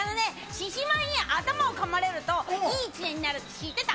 獅子舞に頭をかまれるといい１年になるって知ってた。